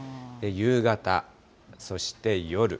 夕方、そして夜。